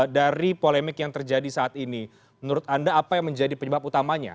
dari polemik yang terjadi saat ini menurut anda apa yang menjadi penyebab utamanya